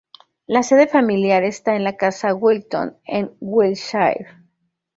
La sede familiar está en la Casa Wilton, en Wiltshire.